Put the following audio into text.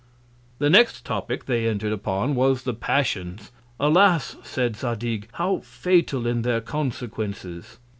The next Topick they entred upon was the Passions. Alas! said Zadig, how fatal in their Consequences!